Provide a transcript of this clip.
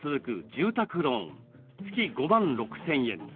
住宅ローン月５万６，０００円。